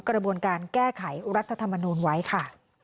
กระบวนการแก้ไขรัฐธรรมนูลไว้ค่ะ